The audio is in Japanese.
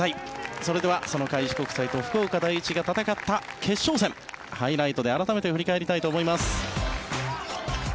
それでは、その開志国際と福岡第一が戦った決勝戦ハイライトで改めて振り返りたいと思います。